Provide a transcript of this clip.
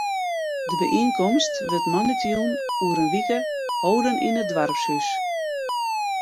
De byienkomst wurdt moandeitejûn oer in wike holden yn it doarpshûs.